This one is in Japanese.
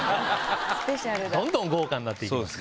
どんどん豪華になって行きますね。